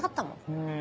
うん。